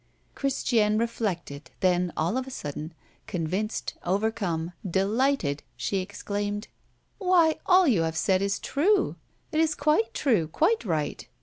Christiane reflected, then, all of a sudden, convinced, overcome, delighted, she exclaimed: "Why, all you have said is true! It is quite true, quite right!